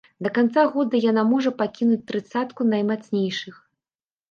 Да канца года яна можа пакінуць трыццатку наймацнейшых.